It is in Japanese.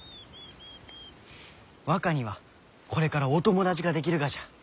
若にはこれからお友達ができるがじゃ。